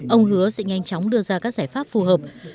ông hứa sẽ nhanh chóng đưa ra các giải pháp phù hợp